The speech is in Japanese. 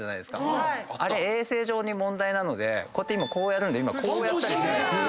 あれ衛生上問題なので今こうやるんでこうやったり。